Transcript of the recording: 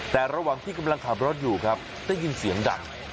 แต่ระหว่างที่กำลังขับรถอยู่ครับได้ยินเสียงดัง